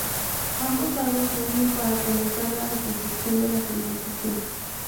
Ambos lados se unen para comenzar la reconstrucción de la civilización.